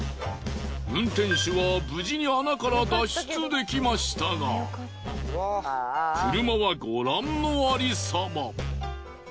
運転手は無事に穴から脱出できましたが車はご覧のありさま。